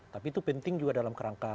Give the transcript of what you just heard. tapi itu penting juga dalam kerangka